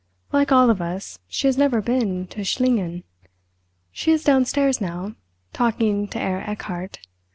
Like all of us, she has never been to Schlingen. She is downstairs now, talking to Herr Erchardt.